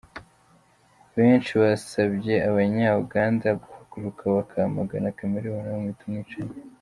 Benshi basabye abanya Uganda guhaguruka bakamagana Chameleone bamwita umwicanyi.